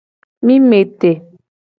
Mi me te.